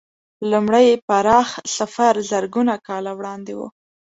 لومړی پراخ سفر زرګونه کاله وړاندې و.